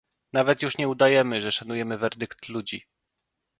Nawet już nie udajemy, że szanujemy werdykt ludzi